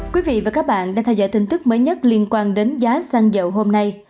các bạn đang theo dõi thông tin mới nhất liên quan đến giá xăng dầu hôm nay